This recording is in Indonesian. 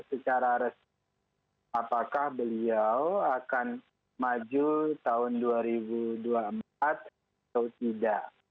secara resmi apakah beliau akan maju tahun dua ribu dua puluh empat atau tidak